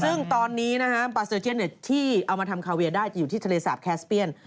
ซึ่งตอนนี้นะฮะปาเซอร์เจียนที่เอามาทำคาเวียได้จะอยู่ที่ทะเลสาปแคสเปียน